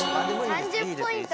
３０ポイント